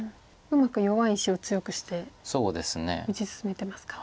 うまく弱い石を強くして打ち進めてますか。